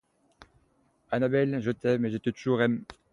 Anabelle, je t'aime et t'ai toujours aim